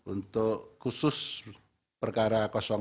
untuk khusus perkara dua